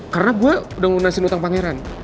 karena gue udah ngelunasin utang pangeran